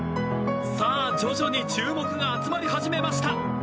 さあ徐々に注目が集まり始めました。